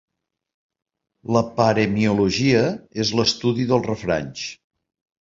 La paremiologia és l'estudi dels refranys.